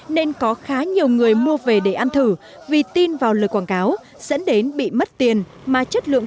nên có khá nhiều người mua về để ăn thử vì tin vào lời quảng cáo dẫn đến bị mất tiền mà chất lượng